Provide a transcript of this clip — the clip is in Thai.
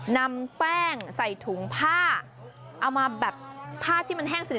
นำแป้งใส่ถุงผ้าเอามาแบบผ้าที่มันแห้งสนิท